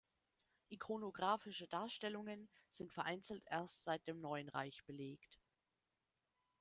Ikonografische Darstellungen sind vereinzelt erst seit dem Neuen Reich belegt.